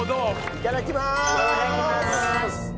いただきます！